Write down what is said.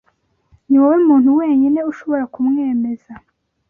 Niwowe muntu wenyine ushobora kumwemeza.